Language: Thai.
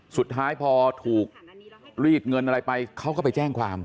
สุดท้ายพอถูกรีดเงินอะไรไปเขาก็ไปแจ้งความ